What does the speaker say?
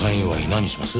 何にします？